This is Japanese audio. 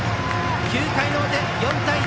９回の表、４対１。